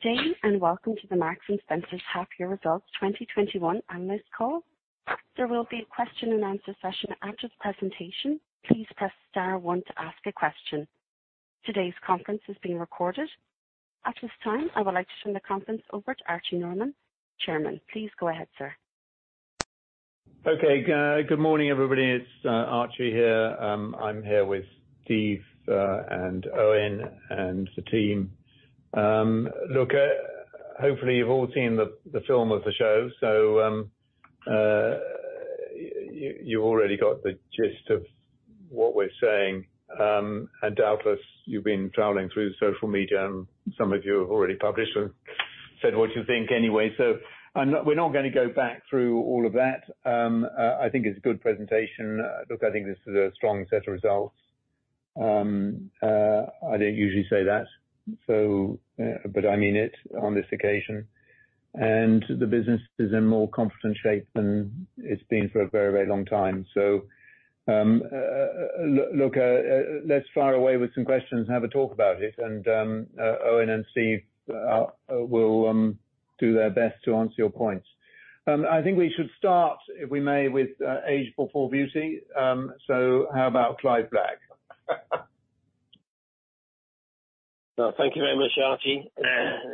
Good day, and welcome to the Marks & Spencer Half Year Results 2021 analyst call. There will be a question and answer session after the presentation. Please press star one to ask a question. Today's conference is being recorded. At this time, I would like to turn the conference over to Archie Norman, Chairman. Please go ahead, sir. Good morning, everybody. It's Archie here. I'm here with Steve and Eoin and the team. Look, hopefully you've all seen the film of the show. You already got the gist of what we're saying. Doubtless, you've been trawling through social media and some of you have already published and said what you think anyway. We're not gonna go back through all of that. I think it's a good presentation. Look, I think this is a strong set of results. I don't usually say that, but I mean it on this occasion. The business is in more confident shape than it's been for a very, very long time. Look, let's fire away with some questions and have a talk about it. Eoin and Steve will do their best to answer your points. I think we should start, if we may, with age before beauty. How about Clive Black? Well, thank you very much, Archie.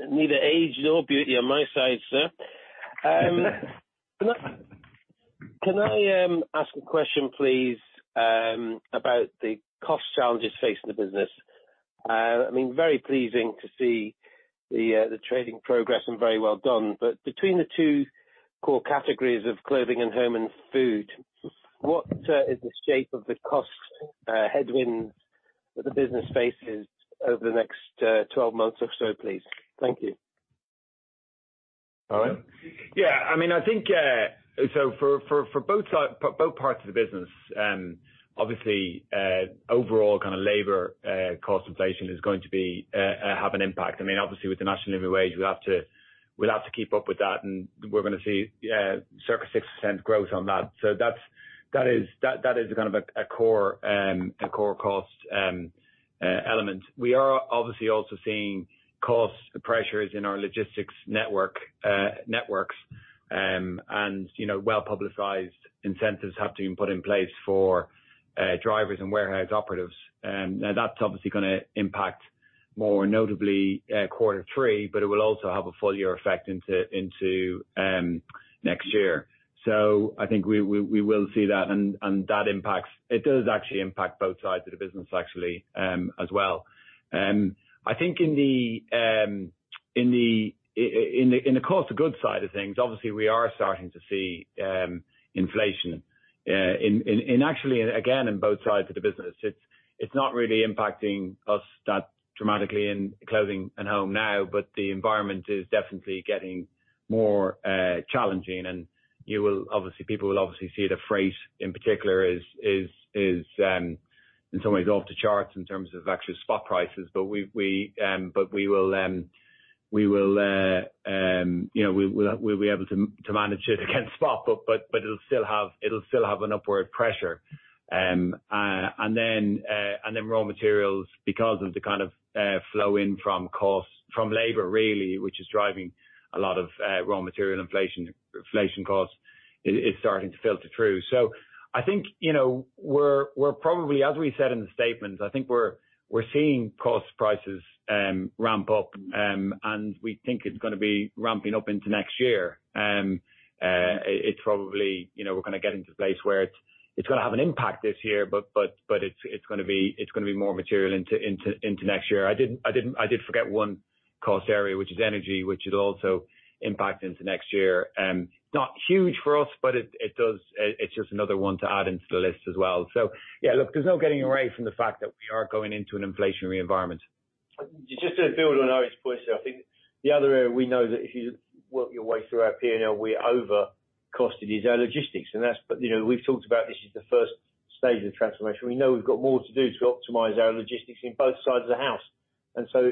Neither age nor beauty on my side, sir. Can I ask a question, please, about the cost challenges facing the business? I mean, very pleasing to see the trading progress and very well done. Between the two core categories of clothing and home and food, what is the shape of the cost headwind that the business faces over the next twelve months or so, please? Thank you. Eoin. Yeah. I mean, I think so for both sides, both parts of the business, obviously overall kinda labor cost inflation is going to have an impact. I mean, obviously with the National Living Wage, we'll have to keep up with that and we're gonna see circa 6% growth on that. So that is kind of a core cost element. We are obviously also seeing cost pressures in our logistics networks. You know, well-publicized incentives have to be put in place for drivers and warehouse operatives. Now that's obviously gonna impact more notably quarter three, but it will also have a full year effect into next year. I think we will see that and that impacts. It does actually impact both sides of the business actually, as well. I think in the cost of goods side of things, obviously we are starting to see inflation, and actually, again, in both sides of the business. It's not really impacting us that dramatically in clothing and home now, but the environment is definitely getting more challenging. You will obviously, people will obviously see it at freight in particular, is in some ways off the charts in terms of actual spot prices. But we will, you know, we'll be able to manage it against spot, but it'll still have an upward pressure. Raw materials because of the kind of flow in from costs, from labor really, which is driving a lot of raw material inflation costs, it's starting to filter through. I think, you know, we're probably, as we said in the statement, we're seeing cost prices ramp up, and we think it's gonna be ramping up into next year. It's probably, you know, we're gonna get into a place where it's gonna have an impact this year, but it's gonna be more material into next year. I did forget one cost area, which is energy, which will also impact into next year. Not huge for us, but it does. It's just another one to add into the list as well. Yeah, look, there's no getting away from the fact that we are going into an inflationary environment. Just to build on Eoin's point, I think the other area we know that if you work your way through our P&L, we're over cost is our logistics. That's, you know, we've talked about this is the first stage of transformation. We know we've got more to do to optimize our logistics in both sides of the house.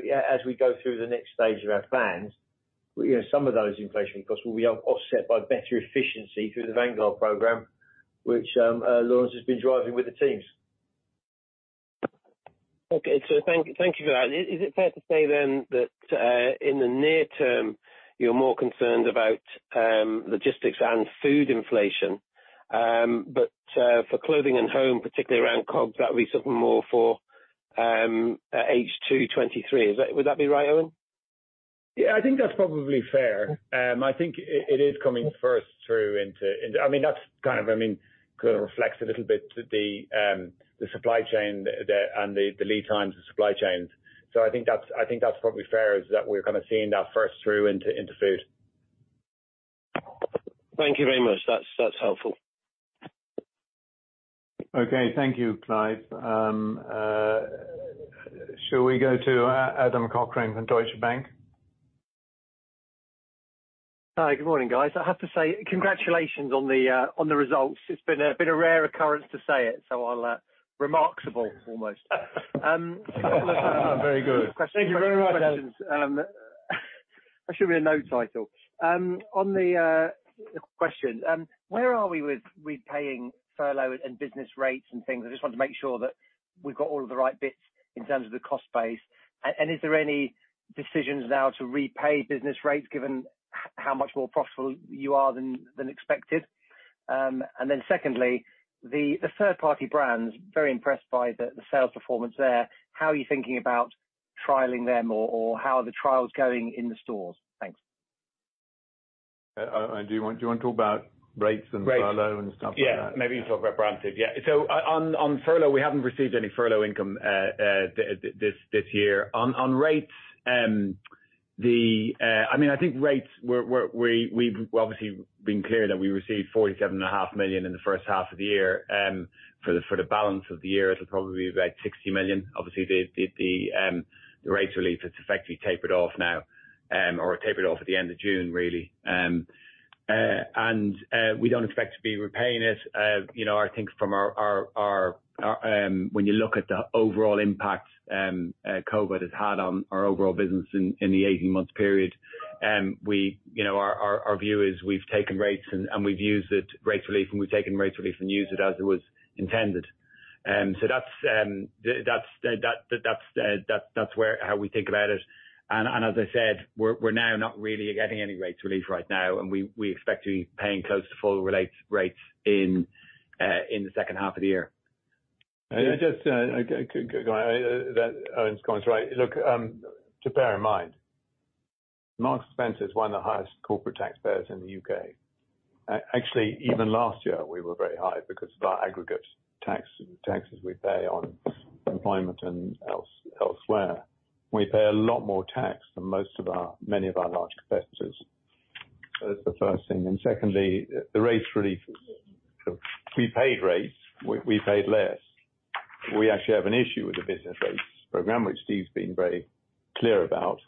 Yeah, as we go through the next stage of our plans, you know, some of those inflationary costs will be offset by better efficiency through the Vanguard program, which Lawrence Christensen has been driving with the teams. Okay. Thank you for that. Is it fair to say then that in the near term, you're more concerned about logistics and food inflation, but for clothing and home, particularly around COG, that we suffer more for H2 2023? Would that be right, Eoin? Yeah, I think that's probably fair. I mean, that's kind of, I mean, kinda reflects a little bit the supply chain there and the lead times of supply chains. I think that's probably fair, that we're kinda seeing that first through into food. Thank you very much. That's helpful. Okay. Thank you, Clive. Shall we go to Adam Cochrane from Deutsche Bank? Hi. Good morning, guys. I have to say congratulations on the results. It's been a rare occurrence to say it, so I'll remarkable almost. Very good. Thank you very much, Adam. That should be a no title. On the question, where are we with repaying furlough and business rates and things? I just want to make sure that we've got all of the right bits in terms of the cost base. Is there any decisions now to repay business rates given how much more profitable you are than expected? Secondly, the third-party brands, very impressed by the sales performance there. How are you thinking about trialing them or how are the trials going in the stores? Thanks. Eoin, do you want to talk about rates and? Rates furlough and stuff like that? Yeah. Maybe you talk about brands then. Yeah. On furlough, we haven't received any furlough income this year. On rates, I mean, I think rates, we've obviously been clear that we received 47 and a half million in the first half of the year. For the balance of the year, it'll probably be about 60 million. Obviously, the rates relief has effectively tapered off now, or tapered off at the end of June, really. We don't expect to be repaying it.v You know, I think when you look at the overall impact COVID has had on our overall business in the 18-month period, you know, our view is we've taken rates relief and used it as it was intended. So that's how we think about it. As I said, we're now not really getting any rates relief right now, and we expect to be paying close to full rates in the second half of the year. Can I just go on. Eoin's comment, right. Look, to bear in mind, Marks & Spencer is one of the highest corporate taxpayers in the U.K. Actually, even last year we were very high because of our aggregate tax and taxes we pay on employment and elsewhere. We pay a lot more tax than many of our large competitors. So that's the first thing. Secondly, the rates relief is we paid rates, we paid less. We actually have an issue with the business rates program, which Steve's been very clear about.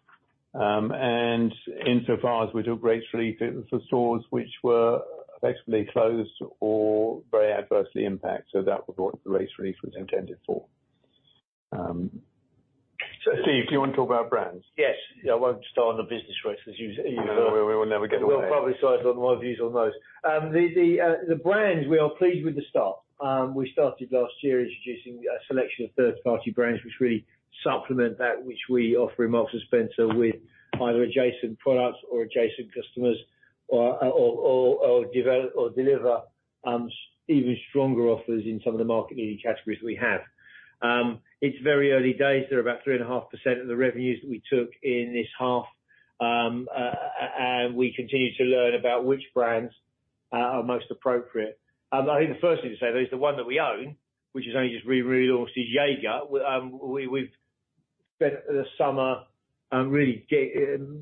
Insofar as we took rates relief, it was for stores which were effectively closed or very adversely impacted. So that was what the rates relief was intended for. Steve, do you want to talk about brands? Yes. Yeah, I won't start on the business rates as you know. We will never get away. We'll publicize on my views on those. The brands, we are pleased with the start. We started last year introducing a selection of third-party brands which really supplement that which we offer in Marks & Spencer with either adjacent products or adjacent customers or develop or deliver even stronger offers in some of the market leading categories we have. It's very early days. They're about 3.5% of the revenues that we took in this half. We continue to learn about which brands are most appropriate. I think the first thing to say, though, is the one that we own, which is only just relaunch the Jaeger. We've spent the summer really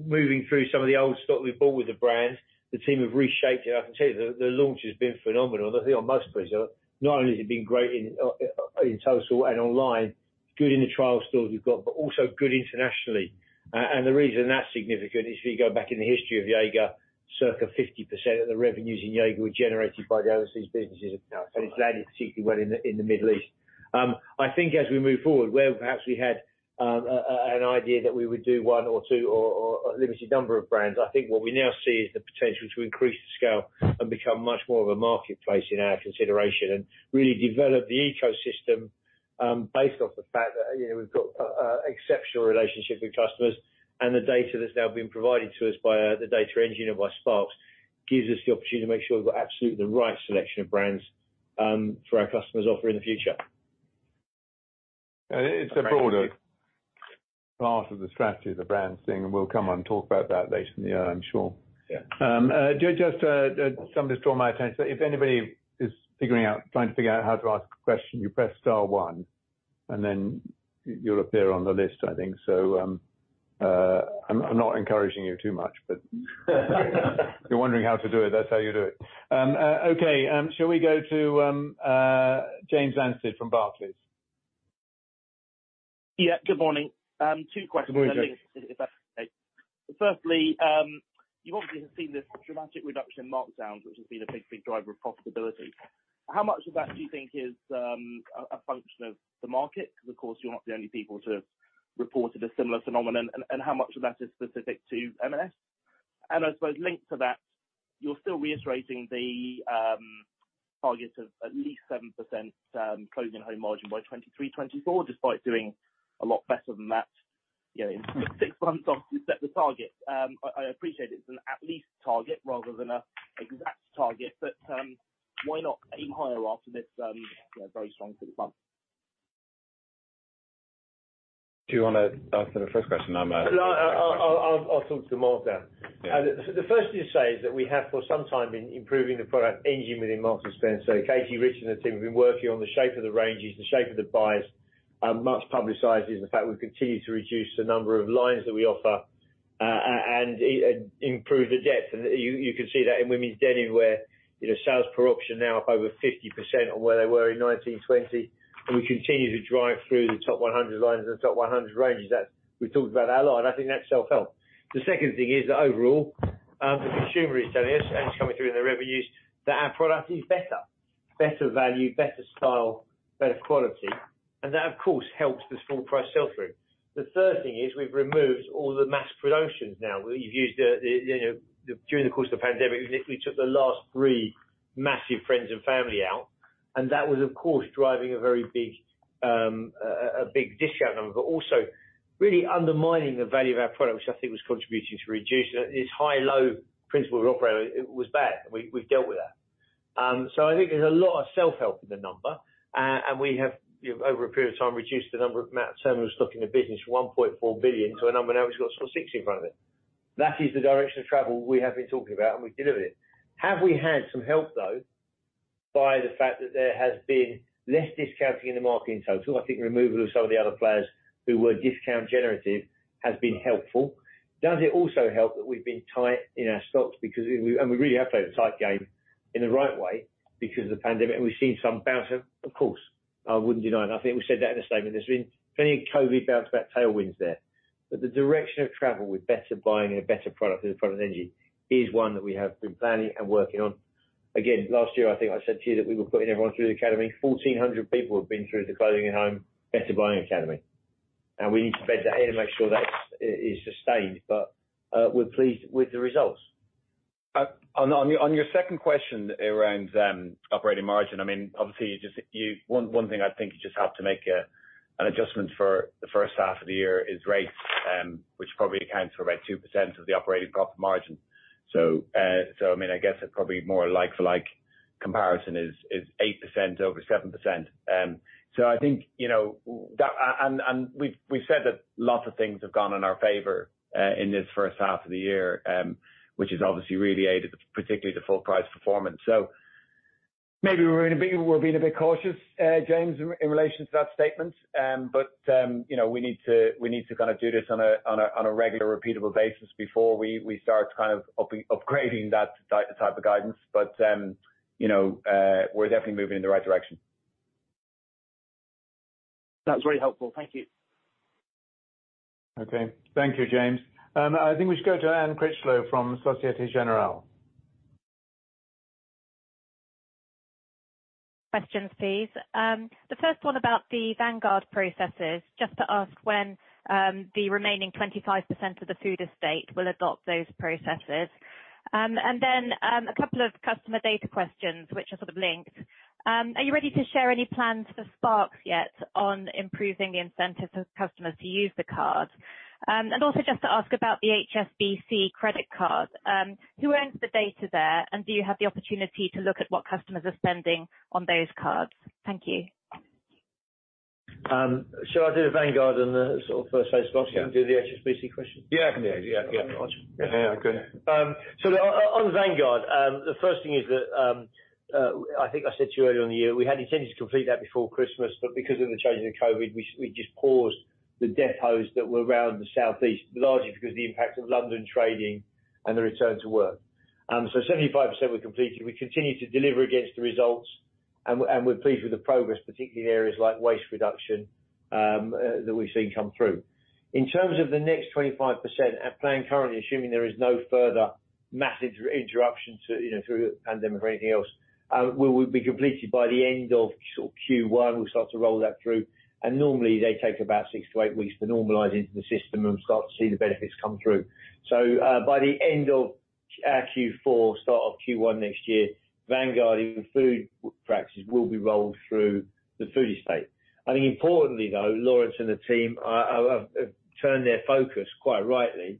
moving through some of the old stock we bought with the brand. The team have reshaped it. I can tell you the launch has been phenomenal. I think on most fronts, not only has it been great in total and online, good in the trial stores we've got, but also good internationally. The reason that's significant is if you go back in the history of Jaeger, circa 50% of the revenues in Jaeger were generated by the overseas businesses account, and it's landed particularly well in the Middle East. I think as we move forward, where perhaps we had an idea that we would do one or two or a limited number of brands, I think what we now see is the potential to increase the scale and become much more of a marketplace in our consideration and really develop the ecosystem, based off the fact that, you know, we've got an exceptional relationship with customers and the data that's now been provided to us by the data engine and by Sparks gives us the opportunity to make sure we've got absolutely the right selection of brands for our customers offer in the future. It's a broader part of the strategy, the brands thing, and we'll come and talk about that later in the year, I'm sure. Yeah. Just something just drew my attention. If anybody is trying to figure out how to ask a question, you press star one, and then you'll appear on the list, I think so. I'm not encouraging you too much, but if you're wondering how to do it, that's how you do it. Okay. Shall we go to James Anstead from Barclays? Yeah, good morning. Two questions. Good morning, James. If that's okay. Firstly, you obviously have seen this dramatic reduction in markdowns, which has been a big driver of profitability. How much of that do you think is a function of the market? Because, of course, you're not the only people to have reported a similar phenomenon. How much of that is specific to M&S? I suppose linked to that, you're still reiterating the target of at least 7% Clothing and Home margin by 2023-2024, despite doing a lot better than that, you know, in six months after you set the target. I appreciate it's an at least target rather than an exact target, but why not aim higher after this very strong six months? Do you wanna answer the first question? No, I'll talk to markdown. Yeah. The first thing to say is that we have for some time been improving the product engine within Marks & Spencer. Katie, Richard and the team have been working on the shape of the ranges, the shape of the buys. Much publicized is the fact we've continued to reduce the number of lines that we offer and improve the depth. You can see that in women's denim where, you know, sales per option now up over 50% on where they were in 2019-20, and we continue to drive through the top 100 lines and top 100 ranges. That's we've talked about that a lot, and I think that's self-help. The second thing is that overall, the consumer is telling us and it's coming through in the revenues that our product is better. Better value, better style, better quality. That, of course, helps the full price sell-through. The third thing is we've removed all the mass promotions now. You know, during the course of the pandemic, we literally took the last three massive friends and family out, and that was, of course, driving a very big discount number. Aso really undermining the value of our product, which I think was contributing to reducing this high-low principle we're operating. It was bad. We've dealt with that. I think there's a lot of self-help in the number. We have, over a period of time, reduced the amount of stock in the business, 1.4 billion to a number now it's got 460 in front of it. That is the direction of travel we have been talking about, and we delivered it. Have we had some help, though, by the fact that there has been less discounting in the market in total? I think removal of some of the other players who were discount generative has been helpful. Does it also help that we've been tight in our stocks because, and we really have played a tight game in the right way because of the pandemic, and we've seen some bounce, of course. I wouldn't deny that. I think we said that in a statement. There's been plenty of COVID bounce back tailwinds there. The direction of travel with Better Buying and better product in the product energy is one that we have been planning and working on. Again, last year, I think I said to you that we were putting everyone through the Academy. 1,400 people have been through the Clothing and Home Better Buying Academy, and we need to bed that in and make sure that is sustained. We're pleased with the results. On your second question around operating margin, I mean, obviously, one thing I think you just have to make an adjustment for the first half of the year is rates, which probably accounts for about 2% of the operating profit margin. So, I mean, I guess it probably more like like-for-like comparison is 8% over 7%. So I think, you know, that and we've said that lots of things have gone in our favor in this first half of the year, which has obviously really aided particularly the full price performance. So maybe we're being a bit cautious, James, in relation to that statement. You know, we need to kind of do this on a regular repeatable basis before we start to kind of upgrading that type of guidance. You know, we're definitely moving in the right direction. That's very helpful. Thank you. Okay. Thank you, James. I think we should go to Anne Critchlow from Société Générale. Questions, please. The first one about the Vanguard processes, just to ask when the remaining 25% of the food estate will adopt those processes. Then a couple of customer data questions which are sort of linked. Are you ready to share any plans for Sparks yet on improving the incentives for customers to use the card? Also just to ask about the HSBC credit card. Who owns the data there, and do you have the opportunity to look at what customers are spending on those cards? Thank you. Shall I do the Vanguard and the sort of first phase loss, and you do the HSBC question? Yeah, I can do it. Yeah. Yeah. Gotcha. Yeah, yeah. Good. On Vanguard, the first thing is that I think I said to you earlier in the year, we had intended to complete that before Christmas, but because of the change in the COVID, we just paused the depots that were around the South East, largely because of the impact of London trading and the return to work. 75% were completed. We continue to deliver against the results, and we're pleased with the progress, particularly in areas like waste reduction that we've seen come through. In terms of the next 25%, our plan currently, assuming there is no further massive interruption to, you know, through the pandemic or anything else, we will be completed by the end of Q1. We'll start to roll that through. Normally, they take about six to eight weeks to normalize into the system and start to see the benefits come through. By the end of Q4, start of Q1 next year, Vanguard food practices will be rolled through the food estate. I think importantly, though, Lawrence and the team have turned their focus, quite rightly,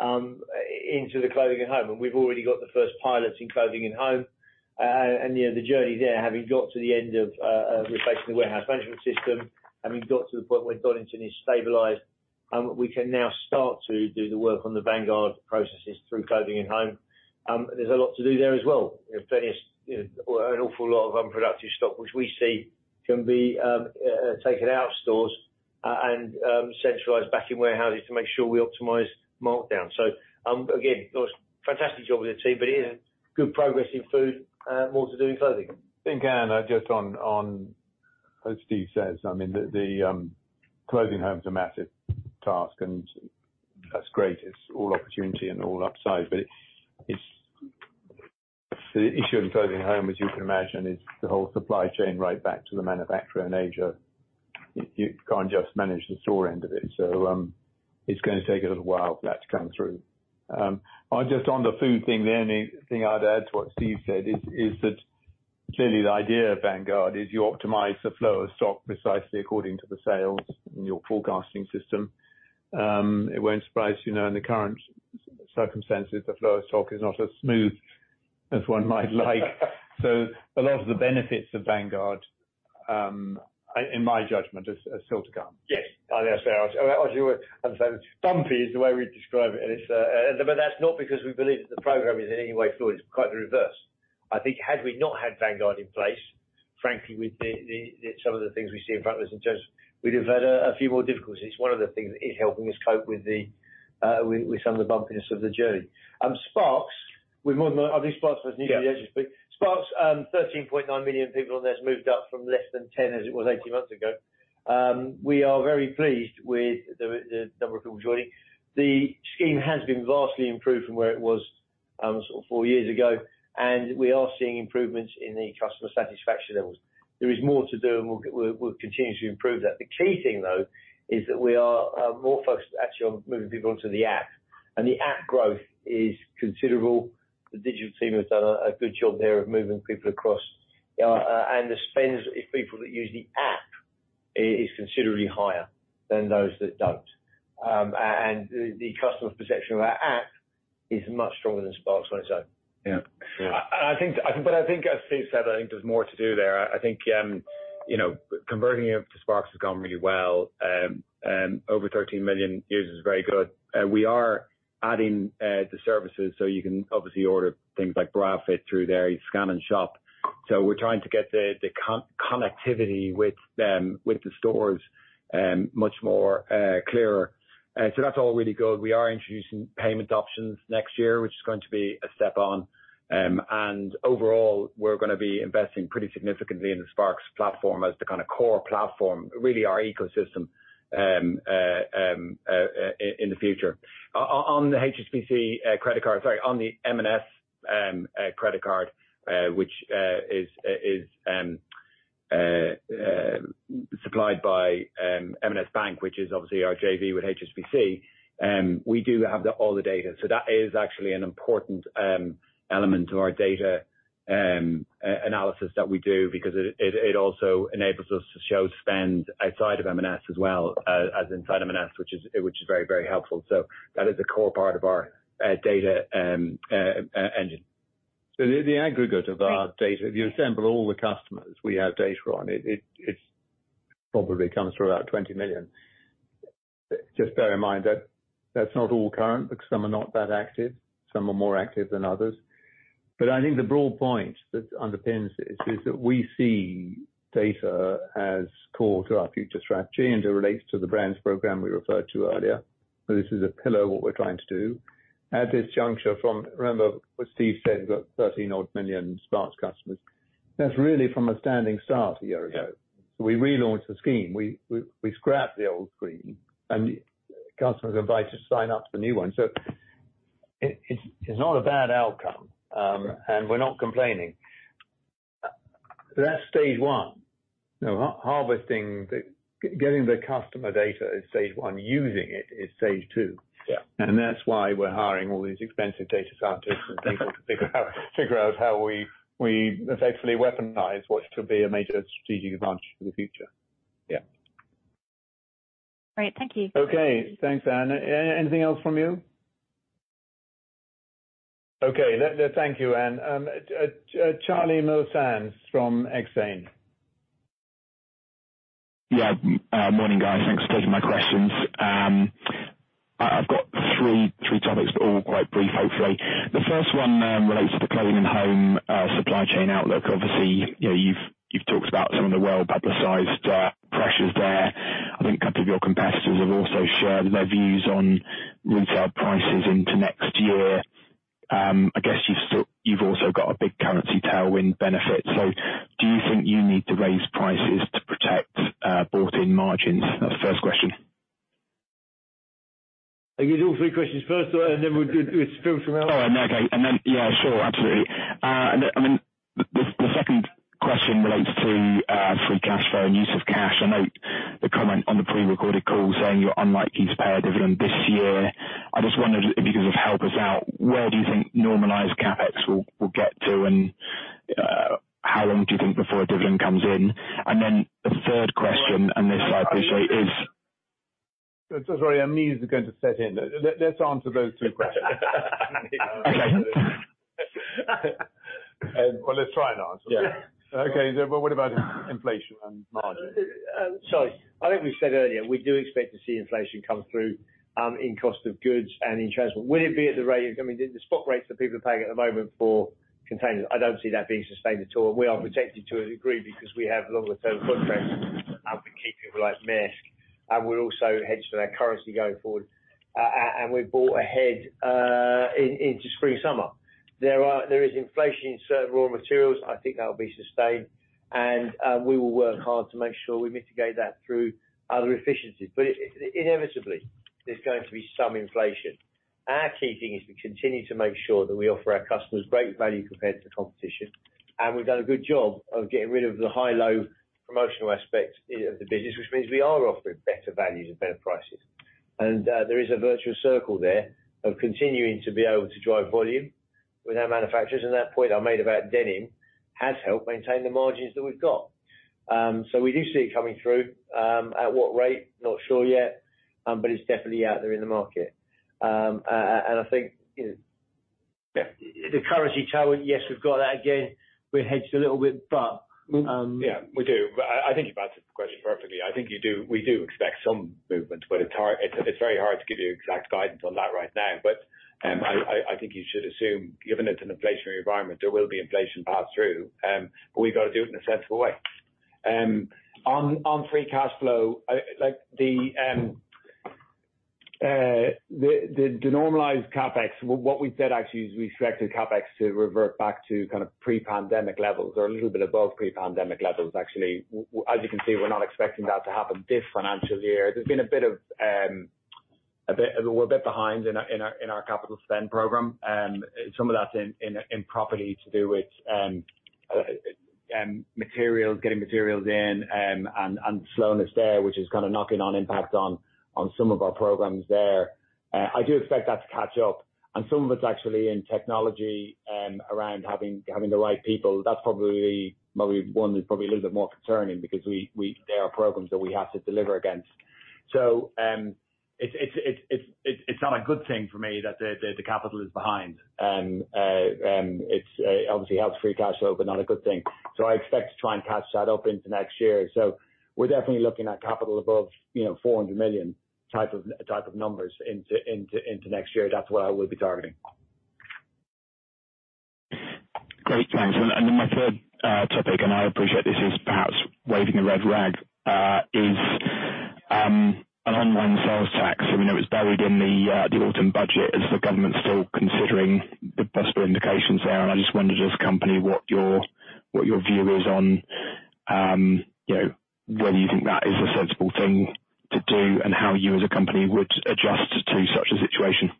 into the Clothing and Home. We've already got the first pilots in Clothing and Home. You know, the journey there, having got to the end of replacing the warehouse management system, having got to the point where Darlington is stabilized, we can now start to do the work on the Vanguard processes through Clothing and Home. There's a lot to do there as well. You know, plenty of, you know, or an awful lot of unproductive stock, which we see can be taken out of stores and centralized back in warehouses to make sure we optimize markdown. Again, Lawrence, fantastic job with the team, but yeah, good progress in food, more to do in clothing. I think, Anne, just on, as Steve says, I mean, the Clothing & Home's a massive task, and that's great. It's all opportunity and all upside. The issue in Clothing & Home, as you can imagine, is the whole supply chain right back to the manufacturer in Asia. You can't just manage the store end of it. It's gonna take a little while for that to come through. On the food thing there, the only thing I'd add to what Steve said is that clearly the idea of Vanguard is you optimize the flow of stock precisely according to the sales in your forecasting system. It won't surprise you know, in the current circumstances, the flow of stock is not as smooth as one might like. A lot of the benefits of Vanguard, in my judgment, is still to come. Yes. I understand. Bumpy is the way we describe it, and it's. That's not because we believe that the program is in any way flawed, it's quite the reverse. I think had we not had Vanguard in place, frankly, with some of the things we see in front of us in terms, we'd have had a few more difficulties. One of the things is helping us cope with some of the bumpiness of the journey. Sparks. It's Sparks that's giving us the edge, but Sparks, 13.9 million people on there has moved up from less than 10 as it was 18 months ago. We are very pleased with the number of people joining. The scheme has been vastly improved from where it was sort of 4 years ago, and we are seeing improvements in the customer satisfaction levels. There is more to do, and we'll continue to improve that. The key thing, though, is that we are more focused actually on moving people onto the app. The app growth is considerable. The digital team has done a good job there of moving people across. And the spend of people that use the app is considerably higher than those that don't. And the customer perception of our app is much stronger than Sparks on its own. Yeah. I think, but I think as Steve said, I think there's more to do there. I think you know converting it to Sparks has gone really well. Over 13 million users is very good. We are adding the services, so you can obviously order things like bra fit through there. You scan and shop. We're trying to get the connectivity with them, with the stores much more clearer. That's all really good. We are introducing payment options next year, which is going to be a step on. Overall, we're gonna be investing pretty significantly in the Sparks platform as the kinda core platform, really our ecosystem in the future. On the M&S credit card, which is supplied by M&S Bank, which is obviously our JV with HSBC, we do have all the data. That is actually an important element to our data analysis that we do because it also enables us to show spend outside of M&S as well as inside M&S, which is very helpful. That is a core part of our data engine. The aggregate of our data, if you assemble all the customers we have data on, it probably comes to about 20 million. Just bear in mind that that's not all current because some are not that active, some are more active than others. I think the broad point that underpins this is that we see data as core to our future strategy, and it relates to the brands program we referred to earlier. This is a pillar of what we're trying to do. At this juncture from, remember what Steve said, we've got 13 million Sparks customers. That's really from a standing start a year ago. We relaunched the scheme, we scrapped the old scheme and customers are invited to sign up to the new one. It's not a bad outcome, and we're not complaining. That's stage one. You know, getting the customer data is stage one. Using it is stage two. Yeah. That's why we're hiring all these expensive data scientists and people to figure out how we effectively weaponize what's to be a major strategic advantage for the future. Yeah. Great. Thank you. Okay, thanks, Anne. Anything else from you? Okay. Thank you, Anne. Charlie Muir-Sands from Exane. Yeah. Morning, guys. Thanks for taking my questions. I've got three topics, but all quite brief, hopefully. The first one relates to the clothing and home supply chain outlook. Obviously, you know, you've talked about some of the well-publicized pressures there. I think a couple of your competitors have also shared their views on retail prices into next year. I guess you've also got a big currency tailwind benefit. Do you think you need to raise prices to protect bought-in margins? That's the first question. Can you do all three questions first, and then we'll spill from there? Oh, okay. Yeah, sure. Absolutely. I mean, the second question relates to free cash flow and use of cash. I note the comment on the pre-recorded call saying you're unlikely to pay a dividend this year. I just wondered if you could just help us out, where do you think normalized CapEx will get to, and how long do you think before a dividend comes in? The third question, and this I appreciate is- Sorry, our mics are going to set in. Let's answer those two questions. Well, let's try and answer them. Yeah. Okay. What about inflation and margins? I think we said earlier, we do expect to see inflation come through in cost of goods and in transport. Will it be at the rate of, I mean, the spot rates that people are paying at the moment for containers? I don't see that being sustained at all. We are protected to a degree because we have longer term contracts with people like Maersk, and we're also hedged for that currency going forward. We've bought ahead into spring/summer. There is inflation in certain raw materials. I think that will be sustained, and we will work hard to make sure we mitigate that through other efficiencies. Inevitably, there's going to be some inflation. Our key thing is to continue to make sure that we offer our customers great value compared to competition, and we've done a good job of getting rid of the high-low promotional aspect of the business, which means we are offering better values and better prices. There is a virtuous circle there of continuing to be able to drive volume with our manufacturers, and that point I made about denim has helped maintain the margins that we've got. We do see it coming through. At what rate? Not sure yet, but it's definitely out there in the market. I think, you know, the currency challenge, yes, we've got that again. We're hedged a little bit, but Yeah, we do. I think you've answered the question perfectly. We do expect some movement, but it's very hard to give you exact guidance on that right now. I think you should assume, given it's an inflationary environment, there will be inflation pass-through, but we've got to do it in a sensible way. On free cash flow, I like the normalized CapEx, what we said actually is we expected CapEx to revert back to kind of pre-pandemic levels or a little bit above pre-pandemic levels, actually. As you can see, we're not expecting that to happen this financial year. There's been a bit, we're a bit behind in our capital spend program. Some of that's in property to do with materials, getting materials in, and slowness there, which is kinda knock-on impact on some of our programs there. I do expect that to catch up. Some of it's actually in technology around having the right people. That's probably one that's a little bit more concerning because they are programs that we have to deliver against. It's not a good thing for me that the capital is behind. It obviously helps free cash flow, but not a good thing. I expect to try and catch that up into next year. We're definitely looking at capital above, you know, 400 million type of numbers into next year. That's what I will be targeting. Great. Thanks. Then my third topic, and I appreciate this is perhaps waving a red rag, is an online sales tax. I know it's buried in the Autumn budget. Is the government still considering the possible implications there? I just wonder what your view is on, you know, whether you think that is a sensible thing to do and how you as a company would adjust to such a situation.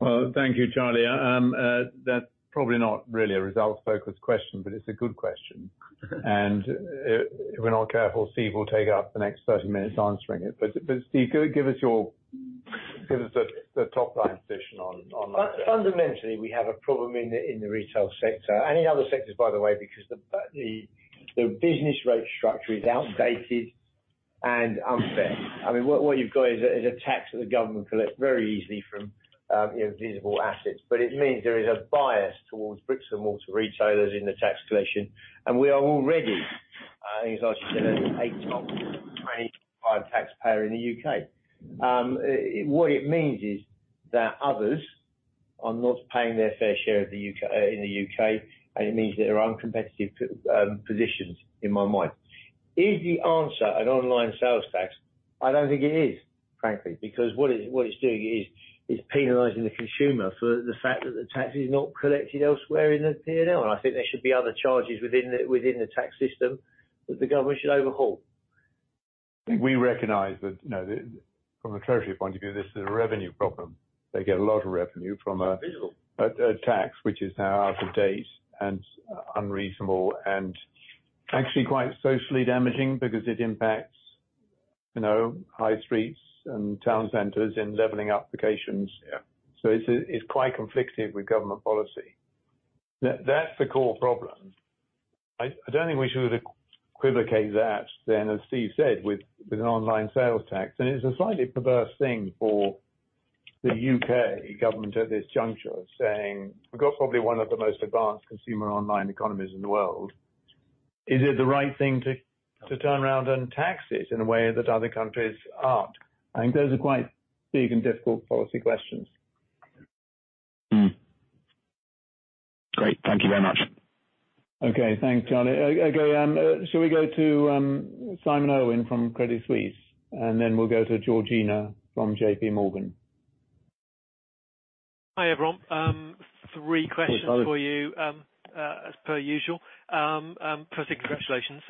Well, thank you, Charlie. That's probably not really a result-focused question, but it's a good question. If we're not careful, Steve will take up the next 30 minutes answering it. But Steve, give us the top line position on that. Fundamentally, we have a problem in the retail sector. Any other sectors, by the way, because the business rate structure is outdated and unfair. I mean, what you've got is a tax that the government collects very easily from visible assets. It means there is a bias towards bricks and mortar retailers in the tax collection, and we are already, I think as I just said, a top 25 taxpayer in the U.K. What it means is that others are not paying their fair share of the U.K., in the U.K., and it means that there are uncompetitive positions in my mind. Is the answer an online sales tax? I don't think it is, frankly, because what it's doing is penalizing the consumer for the fact that the tax is not collected elsewhere in the P&L. I think there should be other charges within the tax system that the government should overhaul. We recognize that, you know, from a treasury point of view, this is a revenue problem. They get a lot of revenue from a tax which is now out of date and unreasonable and actually quite socially damaging because it impacts, you know, high streets and town centers in leveling up applications. Yeah. It's quite conflictive with government policy. That's the core problem. I don't think we should equivocate that then, as Steve said, with an online sales tax. It's a slightly perverse thing for the U.K. government at this juncture saying, "We've got probably one of the most advanced consumer online economies in the world. Is it the right thing to turn around and tax it in a way that other countries aren't?" I think those are quite big and difficult policy questions. Great. Thank you very much. Okay. Thanks, Charlie. Shall we go to Simon Irwin from Credit Suisse, and then we'll go to Georgina from JPMorgan. Hi, everyone. Three questions. Hi, Simon. For you, as per usual. First thing, congratulations.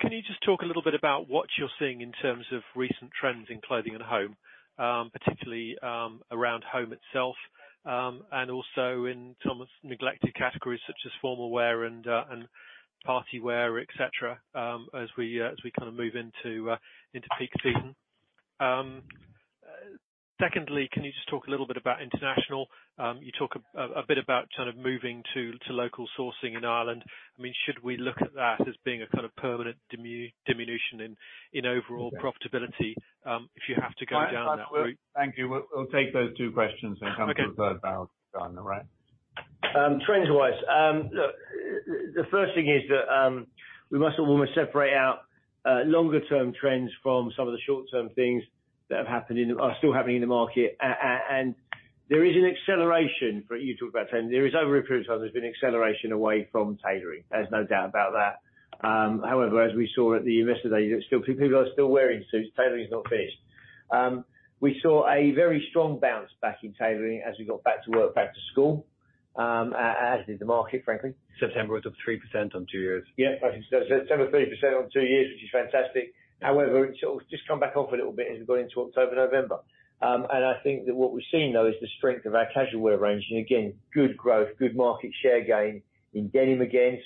Can you just talk a little bit about what you're seeing in terms of recent trends in Clothing and Home, particularly around Home itself, and also in some of neglected categories such as formal wear and party wear, et cetera, as we kinda move into peak season. Secondly, can you just talk a little bit about international? You talk a bit about sort of moving to local sourcing in Ireland. I mean, should we look at that as being a kind of permanent diminution in overall profitability, if you have to go down that route? Thank you. We'll take those two questions and come to. Okay. The third. Trends-wise. Look, the first thing is that we must almost separate out longer-term trends from some of the short-term things that have happened are still happening in the market. There is an acceleration if you talk about trends. There is, over a period of time, there's been acceleration away from tailoring. There's no doubt about that. However, as we saw at the Investors' Day, people are still wearing suits. Tailoring is not finished. We saw a very strong bounce back in tailoring as we got back to work, back to school, as did the market, frankly. September was up 3% on two years. Yeah. September, 3% on two years, which is fantastic. However, it sort of just come back off a little bit as we got into October, November. I think that what we're seeing, though, is the strength of our casual wear range. Again, good growth, good market share gain in denim again.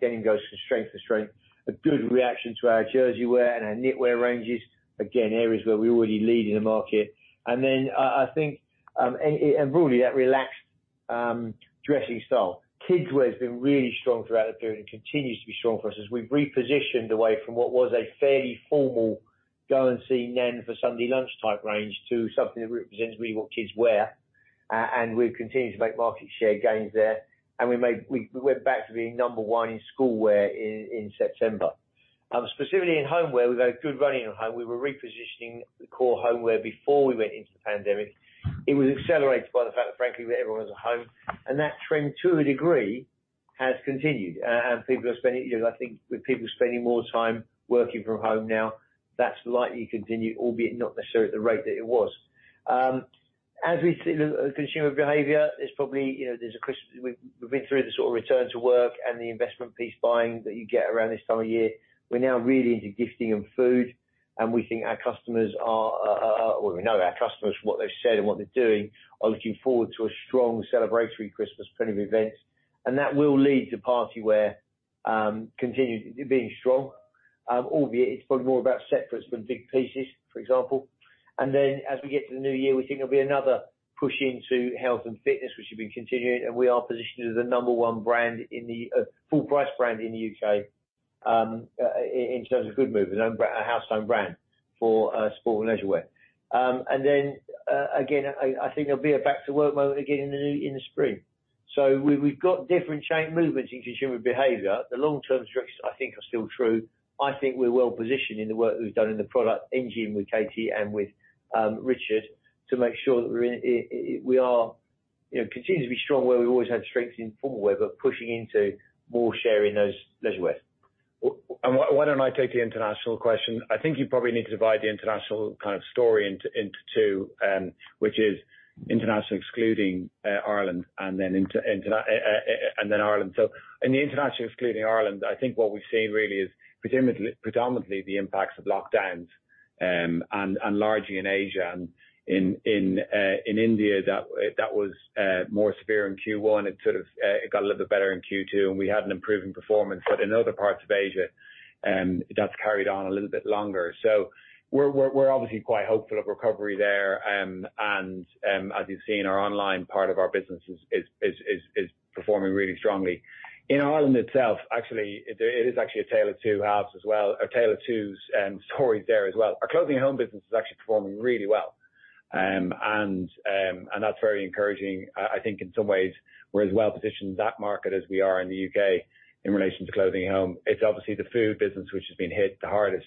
Denim goes from strength to strength. A good reaction to our jersey wear and our knitwear ranges. Again, areas where we already lead in the market. I think, and really that relaxed dressing style, kids wear has been really strong throughout the period and continues to be strong for us as we've repositioned away from what was a fairly formal go and see nan for Sunday lunch type range to something that represents really what kids wear. We've continued to make market share gains there. We went back to being number one in school wear in September. Specifically in home wear, we've had a good run in home. We were repositioning the core home wear before we went into the pandemic. It was accelerated by the fact that, frankly, everyone was at home. That trend, to a degree, has continued. People are spending, you know, I think with people spending more time working from home now, that's likely to continue, albeit not necessarily at the rate that it was. As we see the consumer behavior, it's probably, you know, we've been through the sort of return to work and the investment piece buying that you get around this time of year. We're now really into gifting and food, and we think our customers are, well, we know our customers, from what they've said and what they're doing, are looking forward to a strong celebratory Christmas full of events. That will lead to party wear continued to being strong, albeit it's probably more about separates than big pieces, for example. Then as we get to the new year, we think there'll be another push into health and fitness, which has been continuing, and we are positioned as the number one brand in the full price brand in the UK in terms of Goodmove, house own brand for sport and leisure wear. Again, I think there'll be a back to work moment again in the spring. We've got different shape movements in consumer behavior. The long-term trends I think are still true. I think we're well positioned in the work that we've done in the product, in GM with Katie and with Richard, to make sure that we're in. We are, you know, continue to be strong where we've always had strength in formal wear, but pushing into more share in those leisure wear. Why don't I take the international question? I think you probably need to divide the international kind of story into two, which is international excluding Ireland and then Ireland. In the international excluding Ireland, I think what we've seen really is predominantly the impacts of lockdowns, and largely in Asia and in India that was more severe in Q1. It sort of got a little bit better in Q2, and we had an improving performance. But in other parts of Asia, that's carried on a little bit longer. We're obviously quite hopeful of recovery there. As you've seen, our online part of our business is performing really strongly. In Ireland itself, actually, it is a tale of two halves as well, a tale of two stories there as well. Our Clothing & Home business is actually performing really well, and that's very encouraging. I think in some ways we're as well positioned in that market as we are in the U.K. in relation to Clothing & Home. It's obviously the Food business which has been hit the hardest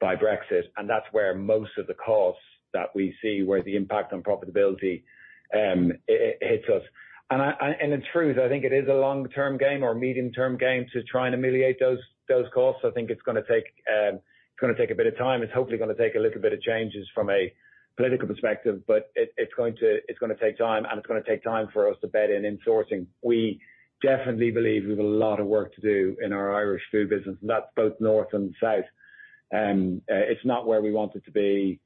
by Brexit, and that's where most of the costs that we see, where the impact on profitability, it hits us. The truth, I think it is a long-term game or a medium-term game to try and ameliorate those costs. I think it's gonna take a bit of time. It's hopefully gonna take a little bit of changes from a political perspective, but it's gonna take time, and it's gonna take time for us to bed in sourcing. We definitely believe we've a lot of work to do in our Irish Food business, and that's both north and south. It's not where we want it to be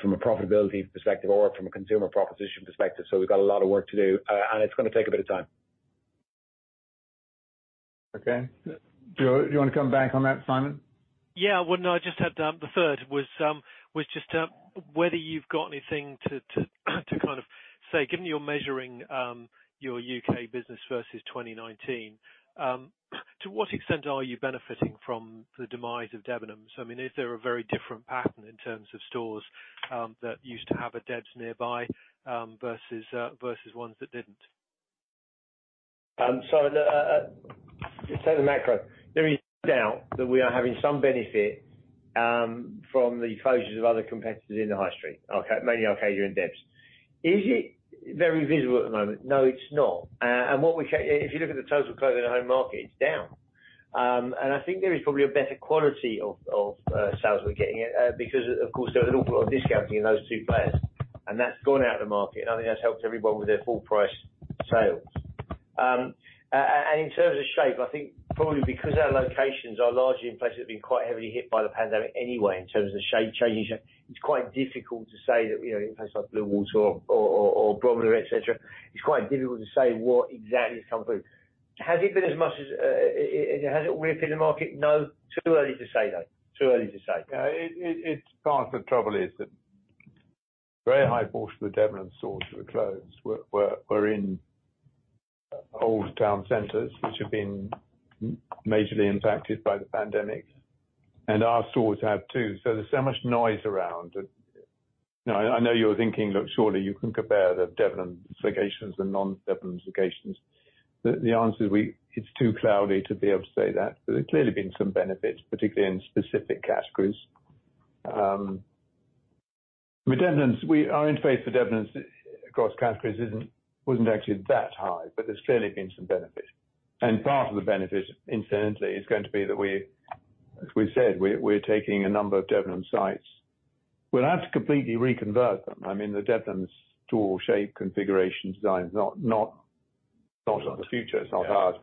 from a profitability perspective or from a consumer proposition perspective. We've got a lot of work to do, and it's gonna take a bit of time. Okay. Do you wanna come back on that, Simon? Yeah. Well, no. I just had the third. Was just whether you've got anything to kind of say, given you're measuring your U.K. business versus 2019, to what extent are you benefiting from the demise of Debenhams? I mean, is there a very different pattern in terms of stores that used to have a Debs nearby versus ones that didn't? So the macro. There is doubt that we are having some benefit from the closures of other competitors in the high street, okay? Mainly Arcadia and Debs. Is it very visible at the moment? No, it's not. If you look at the total Clothing and Home market, it's down. I think there is probably a better quality of sales we're getting because of course there was an awful lot of discounting in those two players, and that's gone out of the market, and I think that's helped everyone with their full price sales. In terms of shape, I think probably because our locations are largely in places that have been quite heavily hit by the pandemic anyway, in terms of the shape changes, it's quite difficult to say that, you know, in places like Bluewater or Bromley, et cetera, it's quite difficult to say what exactly has come through. Has it rippled the market? No. Too early to say, though. Too early to say. No. Part of the trouble is that very high proportion of the Debenhams stores that were closed were in old town centers which have been majorly impacted by the pandemic, and our stores have, too. There's so much noise around that. No, I know you're thinking, look, surely you can compare the Debenhams locations and non-Debenhams locations. The answer is it's too cloudy to be able to say that. There's clearly been some benefits, particularly in specific categories. With Debenhams, our interface with Debenhams across categories isn't, wasn't actually that high, but there's clearly been some benefit. Part of the benefit, incidentally, is going to be that we, as we said, we're taking a number of Debenhams sites. We'll have to completely reconvert them. I mean, the Debenhams store shape, configuration, design is not the future. It's not ours.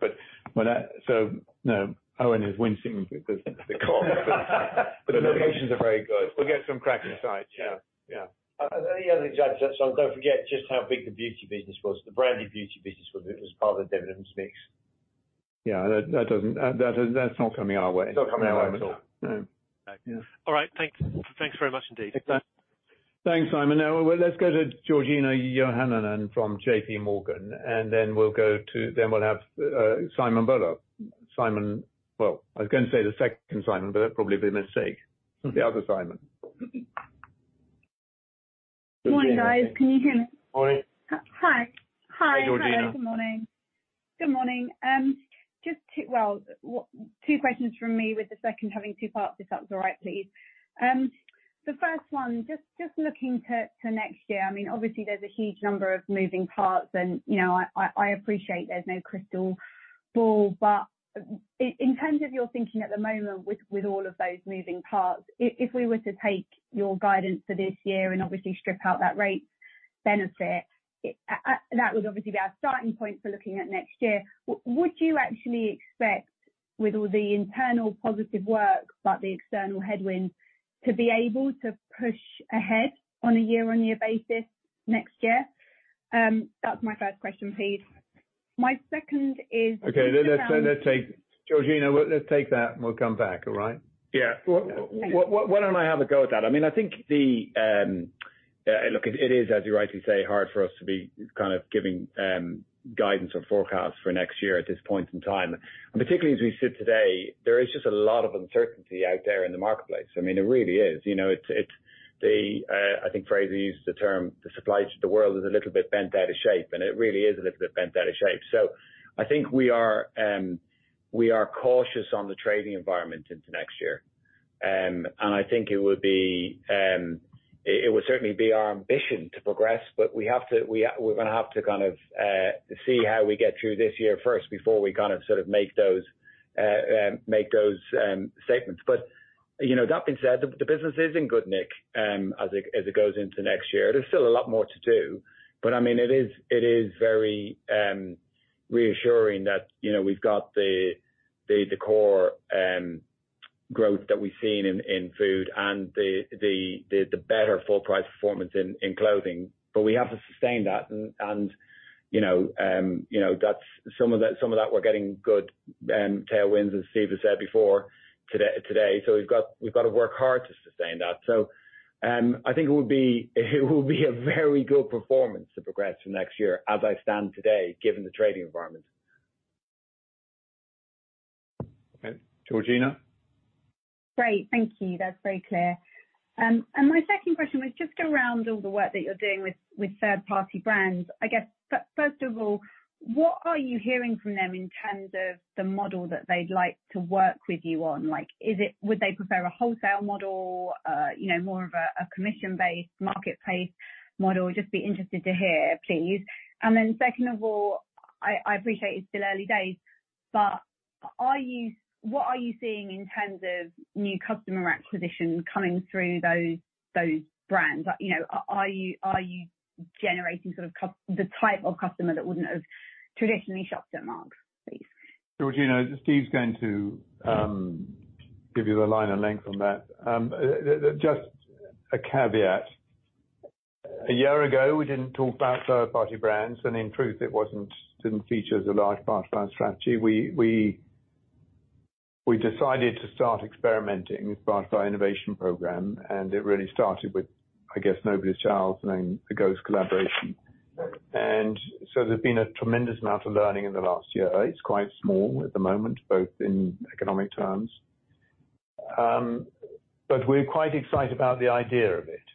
You know, Eoin is wincing because the cost, but the locations are very good. We'll get some cracking sites. Yeah, yeah. The only other thing to add to that, Simon, don't forget just how big the beauty business was. The branded beauty business was part of the Debenhams mix. Yeah. That doesn't, that's not coming our way. It's not coming our way at all. No. Okay. Yeah. All right. Thanks very much indeed. Thanks, Simon. Now, well, let's go to Georgina Johanan from JPMorgan, and then we'll have Simon Bowler. Simon. Well, I was gonna say the second Simon, but that'd probably be a mistake. The other Simon. Morning, guys. Can you hear me? Morning. H-hi. Hi, Georgina. Hi. Good morning. Good morning. Just two questions from me with the second having two parts if that's all right, please. The first one, just looking to next year, I mean, obviously there's a huge number of moving parts and, you know, I appreciate there's no crystal ball, but in terms of your thinking at the moment with all of those moving parts, if we were to take your guidance for this year and obviously strip out that rate benefit, that would obviously be our starting point for looking at next year. Would you actually expect, with all the internal positive work but the external headwind, to be able to push ahead on a year-over-year basis next year? That's my first question, please. My second is just around- Okay. Georgina, let's take that and we'll come back. All right? Yeah. Thanks. Well, why don't I have a go at that? I mean, I think the, look, it is, as you rightly say, hard for us to be kind of giving guidance or forecasts for next year at this point in time. Particularly as we sit today, there is just a lot of uncertainty out there in the marketplace. I mean, it really is. You know, it's the, I think Fraser used the term, the supply chain is a little bit bent out of shape, and it really is a little bit bent out of shape. So I think we are cautious on the trading environment into next year. I think it would certainly be our ambition to progress, but we're gonna have to kind of see how we get through this year first before we kind of sort of make those statements. You know, that being said, the business is in good nick as it goes into next year. There's still a lot more to do, but I mean, it is very reassuring that, you know, we've got the core growth that we've seen in food and the better full price performance in clothing. We have to sustain that and you know that's some of that we're getting good tailwinds, as Steve has said before today. We've got to work hard to sustain that. I think it will be a very good performance to progress from next year as I stand today, given the trading environment. Okay. Georgina? Great. Thank you. That's very clear. My second question was just around all the work that you're doing with third-party brands. I guess, first of all, what are you hearing from them in terms of the model that they'd like to work with you on? Would they prefer a wholesale model, more of a commission-based marketplace model? I'd just be interested to hear, please. Then second of all, I appreciate it's still early days, but what are you seeing in terms of new customer acquisition coming through those brands? Are you generating the type of customer that wouldn't have traditionally shopped at Marks, please? Georgina, Steve's going to give you a line of length on that. Just a caveat. A year ago, we didn't talk about third-party brands, and in truth, it didn't feature as a large part of our strategy. We decided to start experimenting as part of our innovation program, and it really started with, I guess, Nobody's Child and then the Ghost collaboration. There's been a tremendous amount of learning in the last year. It's quite small at the moment, both in economic terms. We're quite excited about the idea of it.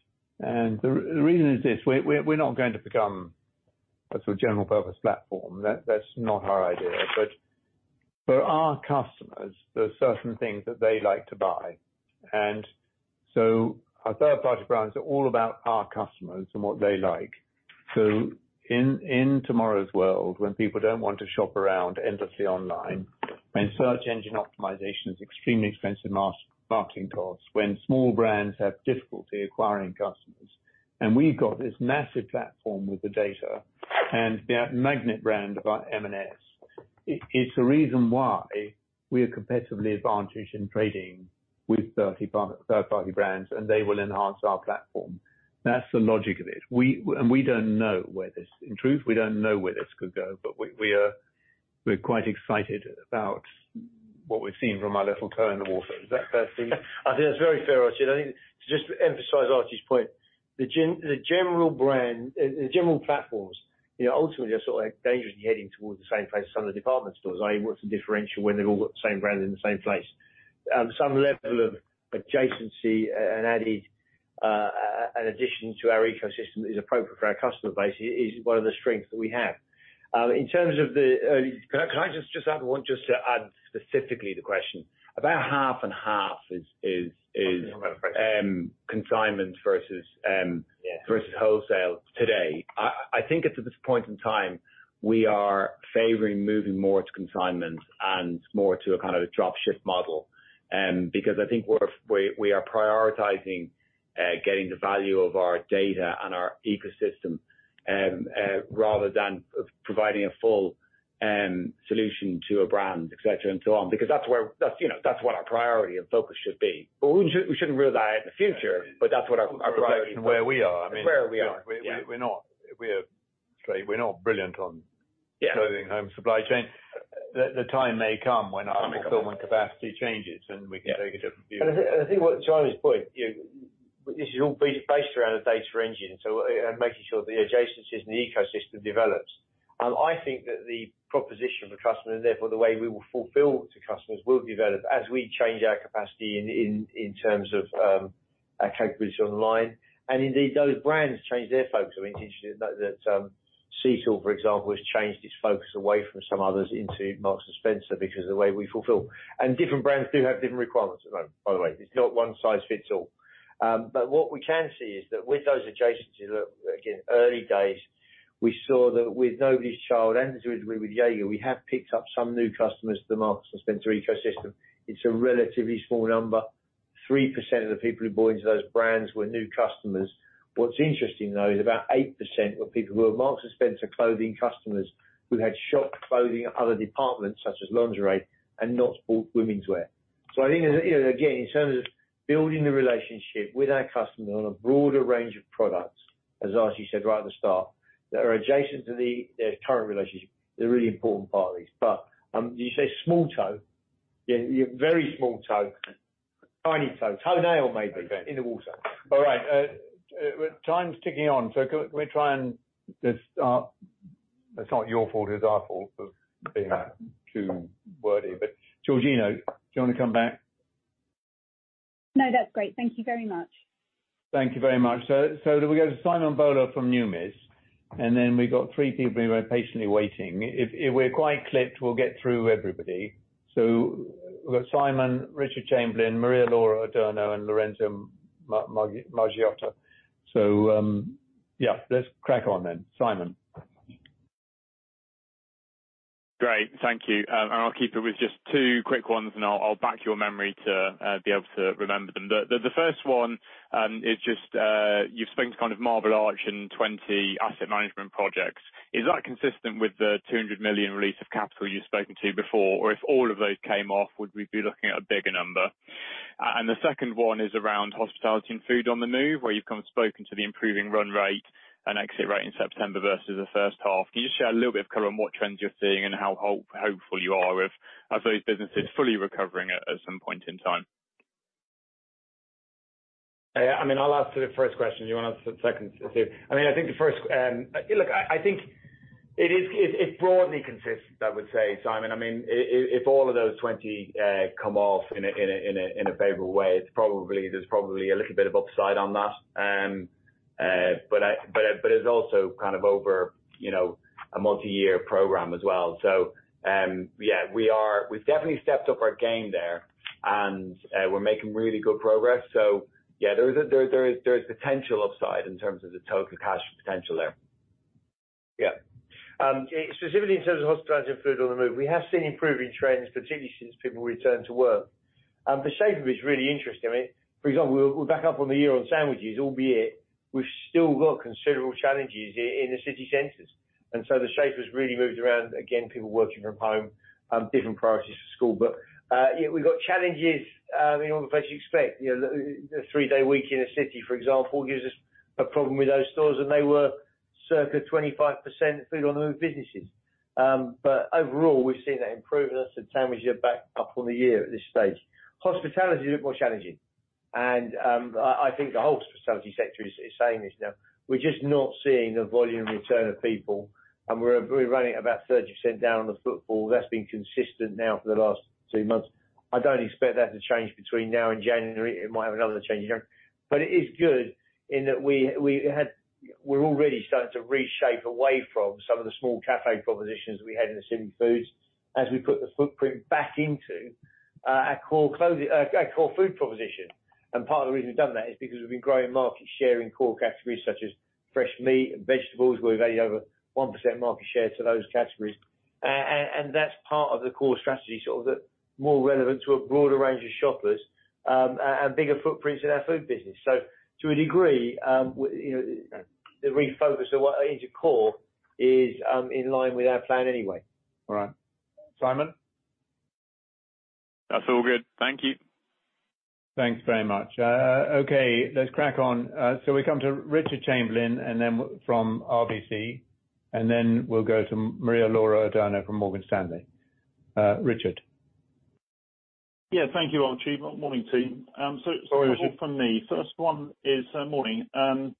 The reason is this, we're not going to become a sort of general purpose platform. That's not our idea. But for our customers, there are certain things that they like to buy. Our third-party brands are all about our customers and what they like. In tomorrow's world, when people don't want to shop around endlessly online, when search engine optimization is extremely expensive marketing costs, when small brands have difficulty acquiring customers, and we've got this massive platform with the data and the magnet brand about M&S, it's a reason why we are competitively advantaged in trading with third-party brands, and they will enhance our platform. That's the logic of it. We don't know where this could go. In truth, we don't know where this could go. We're quite excited about what we've seen from our little toe in the water. Is that fair, Steve? I think that's very fair, Archie. I think to just emphasize Archie's point, the general brand, the general platforms, you know, ultimately are sort of like dangerously heading towards the same place as some of the department stores. What's the differential when they've all got the same brand in the same place? Some level of adjacency and added an addition to our ecosystem is appropriate for our customer base is one of the strengths that we have. In terms of the. Can I just add one to add specifically to the question? About half and half is consignment versus wholesale today. I think it's at this point in time we are favoring moving more to consignment and more to a kind of a drop ship model because I think we are prioritizing getting the value of our data and our ecosystem rather than providing a full solution to a brand et cetera and so on because that's you know that's what our priority and focus should be. We shouldn't rule that out in the future but that's what our priority. Reflecting where we are. It's where we are. Sorry, we're not brilliant on clothing, home, supply chain. The time may come when our fulfillment capacity changes, and we can take a different view. I think to Archie's point, you know, this is all based around a data engine, so, and making sure the adjacencies and the ecosystem develops. I think that the proposition for customers, therefore the way we will fulfill to customers, will develop as we change our capacity in terms of our capability online. Indeed, those brands change their focus. I mean, it's interesting to note that Seasalt Cornwall, for example, has changed its focus away from some others into Marks & Spencer because of the way we fulfill. Different brands do have different requirements, by the way. It's not one size fits all. But what we can see is that with those adjacencies, again, early days, we saw that with Nobody's Child and with Jaeger, we have picked up some new customers to the Marks & Spencer ecosystem. It's a relatively small number. 3% of the people who bought into those brands were new customers. What's interesting, though, is about 8% were people who were Marks & Spencer clothing customers who had shopped clothing at other departments such as lingerie and not bought womenswear. I think, you know, again, in terms of building the relationship with our customer on a broader range of products, as Archie Norman said right at the start, that are adjacent to the current relationship, they're really important priorities. You say small toe. Yeah, very small toe. Tiny toe. Toe nail, maybe, in the water. All right. Time's ticking on, so can we try and just. It's not your fault, it's our fault for being too wordy. Georgina, do you want to come back? No, that's great. Thank you very much. Thank you very much. Do we go to Simon Bowler from Numis, and then we've got three people who are patiently waiting. If we're quite clipped, we'll get through everybody. We've got Simon, Richard Chamberlain, Maria-Laura Adurno, and Lorenzo Maggioni. Yeah, let's crack on then. Simon. Great. Thank you. I'll keep it with just two quick ones, and I'll tax your memory to be able to remember them. The first one is just you've spoken to kind of Marble Arch and 20 asset management projects. Is that consistent with the 200 million release of capital you've spoken to before? Or if all of those came off, would we be looking at a bigger number? The second one is around hospitality and food on the move, where you've kind of spoken to the improving run rate and exit rate in September versus the first half. Can you share a little bit of color on what trends you're seeing and how hopeful you are of those businesses fully recovering at some point in time? Yeah, I mean, I'll answer the first question. Do you want to answer the second too? Look, I think it is. It broadly consists, I would say, Simon. I mean, if all of those 20 come off in a favorable way, it's probably. There's probably a little bit of upside on that. But it's also kind of over, you know, a multi-year program as well. So yeah, we've definitely stepped up our game there, and we're making really good progress. So yeah, there is potential upside in terms of the total cash potential there. Yeah. Specifically in terms of hospitality and food on the move, we have seen improving trends, particularly since people returned to work. The shape of it is really interesting. I mean, for example, we're back up on the year on sandwiches, albeit we've still got considerable challenges in the city centers, and the shape has really moved around, again, people working from home, different priorities for school. Yeah, we've got challenges in all the places you expect. You know, the three-day week in a city, for example, gives us a problem with those stores, and they were circa 25% food on the move businesses. Overall, we've seen that improvement. As I said, sandwiches are back up on the year at this stage. Hospitality is a bit more challenging. I think the whole hospitality sector is saying this now. We're just not seeing the volume return of people, and we're running about 30% down on the footfall. That's been consistent now for the last 2 months. I don't expect that to change between now and January. It might have another change in January. It is good in that we're already starting to reshape away from some of the small cafe propositions we had in the smaller foodhalls as we put the footprint back into our core clothing, our core food proposition. Part of the reason we've done that is because we've been growing market share in core categories such as fresh meat and vegetables. We've gained over 1% market share in those categories. That's part of the core strategy, sort of more relevant to a broader range of shoppers, and bigger footprints in our food business. To a degree, you know, the refocus of what is your core is, in line with our plan anyway. All right. Simon? That's all good. Thank you. Thanks very much. Okay, let's crack on. We come to Richard Chamberlain, and then from RBC, and then we'll go to Maria-Laura Adurno from Morgan Stanley. Richard. Yeah, thank you, Archie. Morning, team. Sorry, Richard. Two from me. First one is on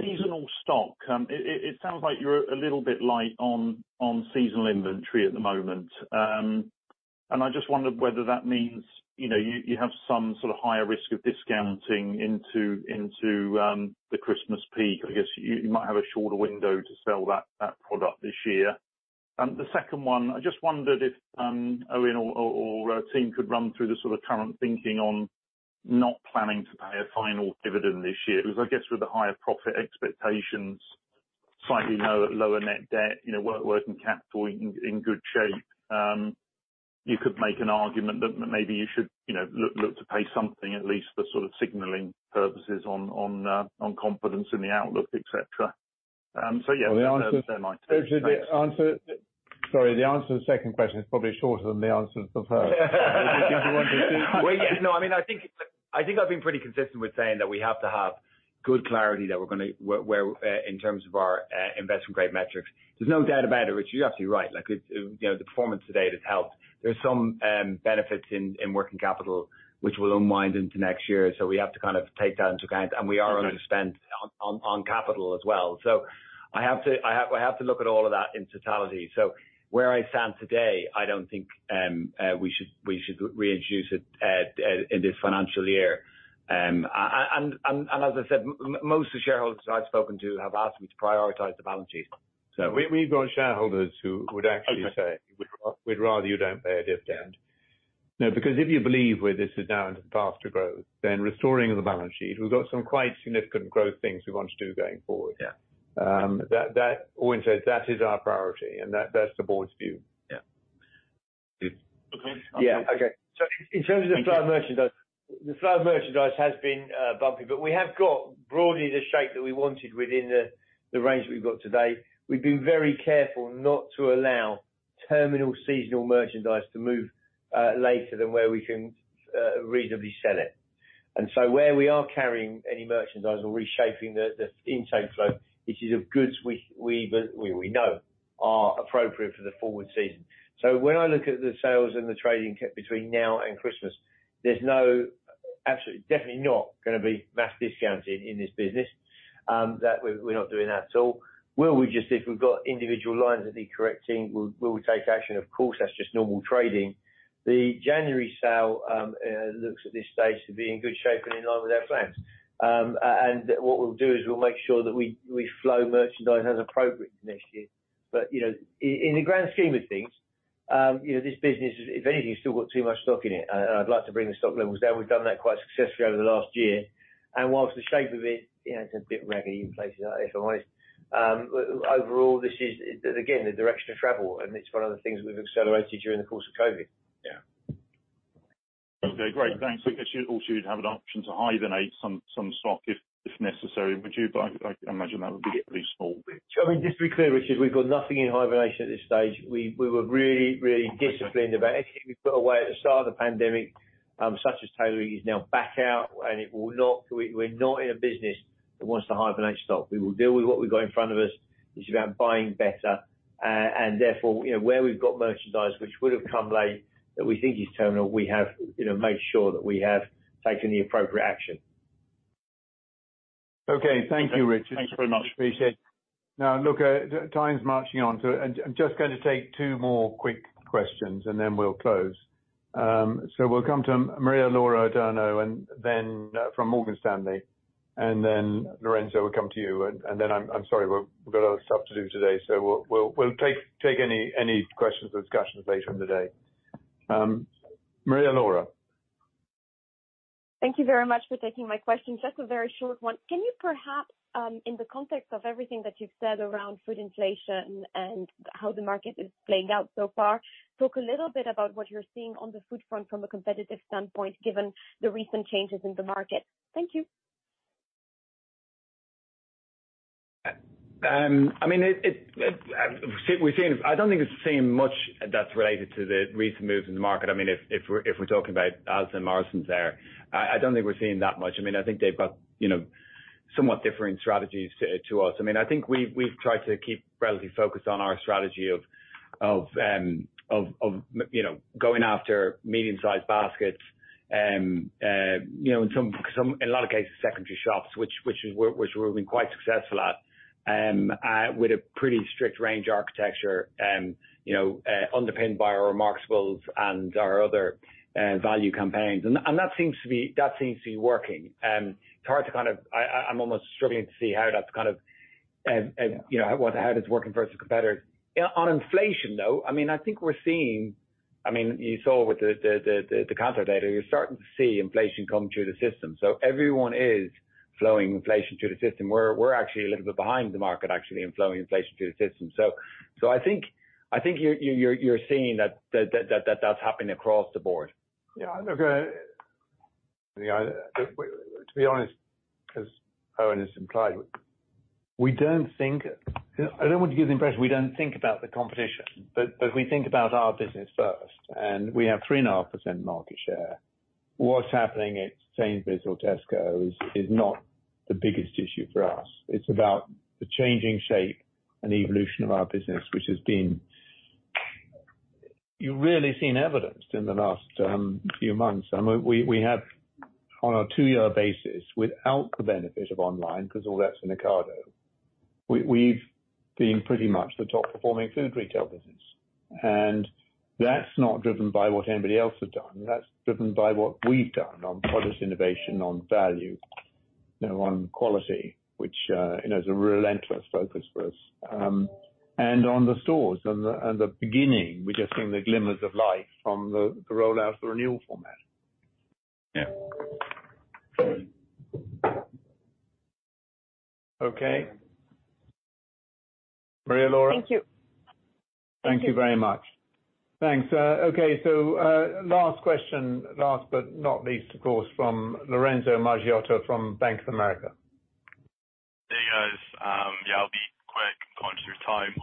seasonal stock. It sounds like you're a little bit light on seasonal inventory at the moment. I just wondered whether that means, you know, you have some sort of higher risk of discounting into the Christmas peak. I guess you might have a shorter window to sell that product this year. The second one, I just wondered if Eoin or team could run through the sort of current thinking on not planning to pay a final dividend this year. Because I guess with the higher profit expectations, slightly lower net debt, you know, working capital in good shape, you could make an argument that maybe you should, you know, look to pay something at least for sort of signaling purposes on confidence in the outlook, et cetera. Yeah. Well, the answer. Might do. Thanks. Richard, the answer to the second question is probably shorter than the answer to the first. If you want to- Well, yeah, no, I mean, I think I've been pretty consistent with saying that we have to have good clarity that we're gonna where in terms of our investment grade metrics. There's no doubt about it, which you're absolutely right. Like, you know, the performance to date has helped. There's some benefits in working capital, which will unwind into next year, so we have to kind of take that into account. We are underspend on capital as well. I have to look at all those in totality. Where I stand today, I don't think we should reintroduce it in this financial year. As I said, most of the shareholders I've spoken to have asked me to prioritize the balance sheet. We've got shareholders who would actually say we'd rather you don't pay a dividend. No, because if you believe where this is now into faster growth, then restoring the balance sheet, we've got some quite significant growth things we want to do going forward. Yeah. Eoin says that is our priority, and that's the board's view. Yeah. Okay. In terms of flow of merchandise, the flow of merchandise has been bumpy. We have got broadly the shape that we wanted within the range that we've got today. We've been very careful not to allow terminal seasonal merchandise to move later than where we can reasonably sell it. Where we are carrying any merchandise or reshaping the intake flow, it is of goods we know are appropriate for the forward season. When I look at the sales and the trading between now and Christmas, there's absolutely, definitely not gonna be mass discounting in this business. That we're not doing that at all. Where we just see if we've got individual lines that need correcting, we'll take action. Of course, that's just normal trading. The January sale looks at this stage to be in good shape and in line with our plans. What we'll do is we'll make sure that we flow merchandise as appropriate next year. You know, in the grand scheme of things, you know, this business, if anything, has still got too much stock in it. I'd like to bring the stock levels down. We've done that quite successfully over the last year. While the shape of it, you know, it's a bit raggy in places if I'm honest, but overall this is again, the direction of travel, and it's one of the things we've accelerated during the course of COVID. Yeah. Okay, great. Thanks. I guess you'd also have an option to hibernate some stock if necessary, would you? I imagine that would be a pretty small bit. I mean, just to be clear, Richard, we've got nothing in hibernation at this stage. We were really disciplined about anything we put away at the start of the pandemic, such as tailoring, which is now back out and it will not. We're not in a business that wants to hibernate stock. We will deal with what we've got in front of us. It's about buying better. And therefore, you know, where we've got merchandise, which would have come late that we think is terminal, we have, you know, made sure that we have taken the appropriate action. Okay. Thank you, Richard. Thanks very much. Appreciate it. Now, look, time's marching on, so I'm just going to take two more quick questions and then we'll close. We'll come to Maria-Laura Adurno from Morgan Stanley, and then Lorenzo will come to you. I'm sorry, we've got other stuff to do today, so we'll take any questions or discussions later in the day. Maria-Laura. Thank you very much for taking my question. Just a very short one. Can you perhaps, in the context of everything that you've said around food inflation and how the market is playing out so far, talk a little bit about what you're seeing on the food front from a competitive standpoint, given the recent changes in the market? Thank you. I mean, we've seen. I don't think it's saying much that's related to the recent moves in the market. I mean, if we're talking about Asda and Morrisons there, I don't think we're seeing that much. I mean, I think they've got, you know, somewhat differing strategies to us. I mean, I think we've tried to keep relatively focused on our strategy of going after medium-sized baskets. You know, in a lot of cases, secondary shops, which we've been quite successful at with a pretty strict range architecture, you know, underpinned by our Marks & Spencer and our other value campaigns. That seems to be working. It's hard to kind of I'm almost struggling to see how that's kind of, you know, how that's working versus competitors. On inflation, though, I mean, I think we're seeing. I mean, you saw with the Kantar data, you're starting to see inflation come through the system. Everyone is flowing inflation through the system. We're actually a little bit behind the market actually in flowing inflation through the system. I think you're seeing that that's happening across the board. Yeah. Look, you know, to be honest, as Eoin has implied, we don't think I don't want to give the impression we don't think about the competition, but we think about our business first, and we have 3.5% market share. What's happening at Sainsbury's or Tesco is not the biggest issue for us. It's about the changing shape and evolution of our business, which has been, you've really seen evidenced in the last few months. I mean, we have on a two-year basis without the benefit of online, because all that's in Ocado, we've been pretty much the top performing food retail business, and that's not driven by what anybody else has done. That's driven by what we've done on product innovation, on value, you know, on quality, which, you know, is a relentless focus for us, and on the stores and the beginning, we're just seeing the glimmers of life from the rollout of the renewal format. Okay. Maria Laura. Thank you. Thank you very much. Thanks. Okay, last question. Last but not least, of course, from Lorenzo Maggioni from Bank of America. Hey, guys. Yeah, I'll be quick. I'm conscious of your time.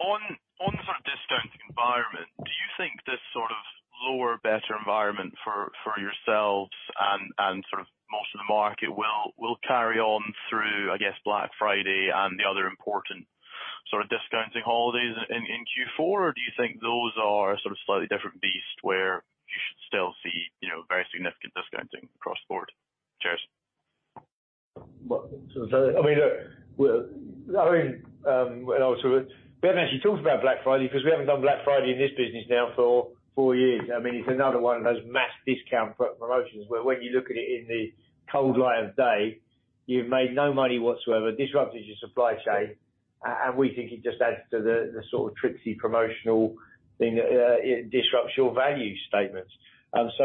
On the sort of discounting environment, do you think this sort of lower, better environment for yourselves and sort of most of the market will carry on through, I guess, Black Friday and the other important sort of discounting holidays in Q4? Or do you think those are sort of slightly different beast where you should still see, you know, very significant discounting across the board? Cheers. I mean, look, and also we haven't actually talked about Black Friday because we haven't done Black Friday in this business now for four years. I mean, it's another one of those mass discount promotions where when you look at it in the cold light of day, you've made no money whatsoever, disrupted your supply chain, and we think it just adds to the sort of tricksy promotional thing that it disrupts your value statements.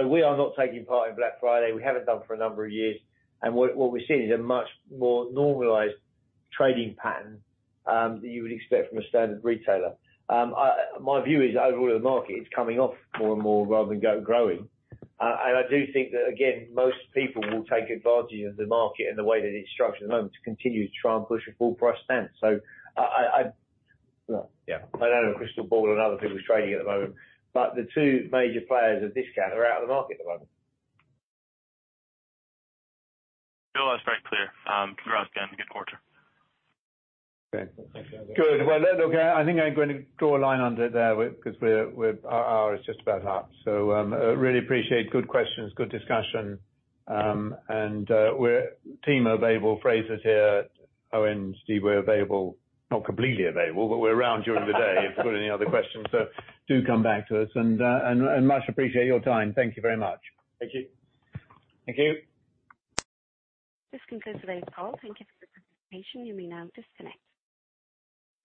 We are not taking part in Black Friday. We haven't done for a number of years. What we're seeing is a much more normalized trading pattern that you would expect from a standard retailer. My view is overall the market is coming off more and more rather than growing. I do think that again, most people will take advantage of the market and the way that it's structured at the moment to continue to try and push a full price stance. Well, yeah, I don't have a crystal ball on other people's trading at the moment, but the two major players of discount are out of the market at the moment. No, that's very clear. Okay. Good. Well, look, I think I'm going to draw a line under it there because our hour is just about up. We really appreciate good questions, good discussion. Our team is available. Fraser's here. Eoin and Steve, we're available, not completely available, but we're around during the day if you've got any other questions. Do come back to us and we much appreciate your time. Thank you very much. Thank you. Thank you. This concludes today's call. Thank you for your participation. You may now disconnect.